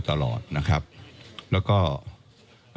แล้วถ้าคุณชุวิตไม่ออกมาเป็นเรื่องกลุ่มมาเฟียร์จีน